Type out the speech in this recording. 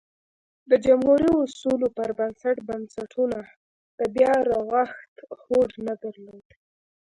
د جمهوري اصولو پر بنسټ بنسټونو د بیا رغښت هوډ نه درلود